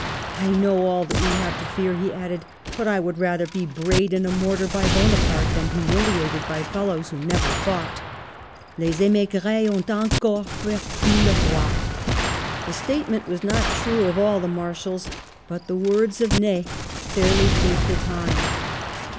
"I know all that we have to fear," he added, "but I would rather be brayed in a mortar by Bonaparte than humiliated by fellows who never fought. Les imigris out encore perdu le Boi" The statement was not true of all the Marshals, but the words of Ney fairly paint the time.